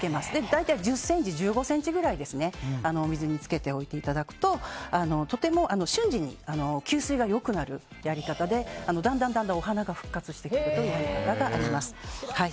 大体、１０１５ｃｍぐらいお水につけておいていただくととても瞬時に吸水が良くなるやり方でだんだんお花が復活してくれるやり方があります。